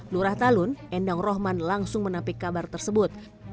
lurah talun endang rohman langsung menampik kabar tersebut